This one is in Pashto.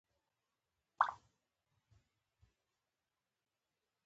آیا ژوند سل واره تر هغه لنډ نه دی.